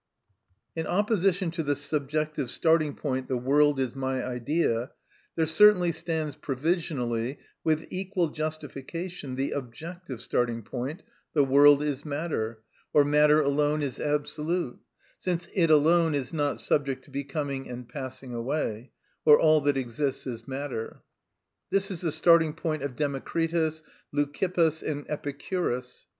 In opposition to the subjective starting point, "the world is my idea," there certainly stands provisionally with equal justification the objective starting point, "the world is matter," or "matter alone is absolute" (since it alone is not subject to becoming and passing away), or "all that exists is matter." This is the starting point of Democritus, Leucippus, and Epicurus.